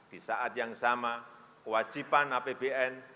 di saat yang sama kewajiban apbn